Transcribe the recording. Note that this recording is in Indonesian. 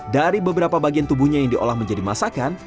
dari beberapa bagian tubuhnya yang diolah menjadi masakan